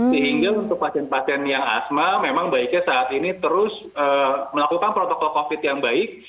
sehingga untuk pasien pasien yang asma memang baiknya saat ini terus melakukan protokol covid yang baik